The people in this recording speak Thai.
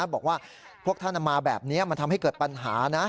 บอกว่าพวกท่านมาแบบนี้มันทำให้เกิดปัญหานะ